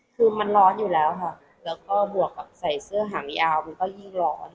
คือมันร้อนอยู่แล้วค่ะแล้วก็บวกกับใส่เสื้อหางยาวมันก็ยิ่งร้อน